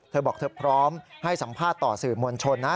เธอบอกเธอพร้อมให้สัมภาษณ์ต่อสื่อมวลชนนะ